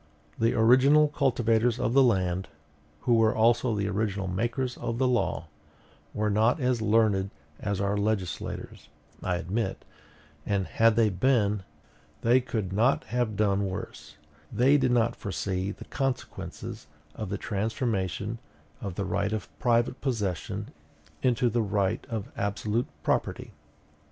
The original cultivators of the land, who were also the original makers of the law, were not as learned as our legislators, I admit; and had they been, they could not have done worse: they did not foresee the consequences of the transformation of the right of private possession into the right of absolute property.